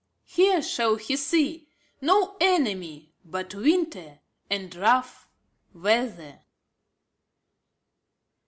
Here shall he see No enemy But winter and rough weather.